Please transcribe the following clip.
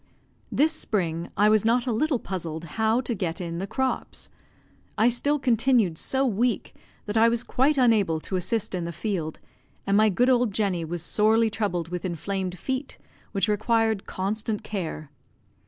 This spring I was not a little puzzled how to get in the crops. I still continued so weak that I was quite unable to assist in the field, and my good old Jenny was sorely troubled with inflamed feet, which required constant care.